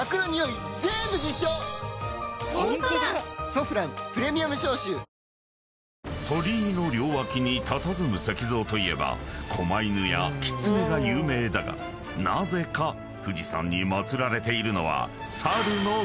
「ソフランプレミアム消臭」［鳥居の両脇にたたずむ石像といえば狛犬やキツネが有名だがなぜか富士山に祭られているのは］